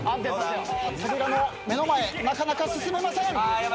扉の目の前なかなか進めません。